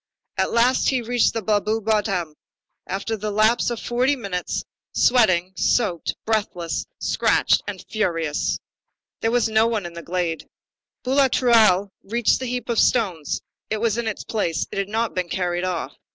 At last he reached the Blaru bottom, after the lapse of forty minutes, sweating, soaked, breathless, scratched, and ferocious. There was no one in the glade. Boulatruelle rushed to the heap of stones. It was in its place. It had not been carried off.